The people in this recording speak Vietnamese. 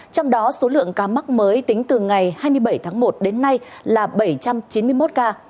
trong đó số lượng ca mắc mới tính từ ngày hai mươi bảy tháng một đến nay là bảy trăm chín mươi một ca